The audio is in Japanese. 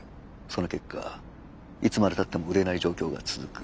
その結果いつまでたっても売れない状況が続く。